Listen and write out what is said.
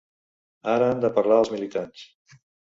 Ara han de parlar els militants.